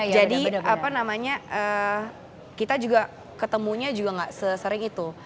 jadi apa namanya kita juga ketemunya juga gak sesering itu